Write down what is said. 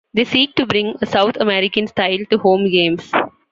They seek to bring a South American style to home games.